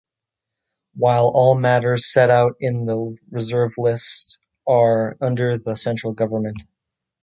While all matters set out in the Reserved List are under the central government.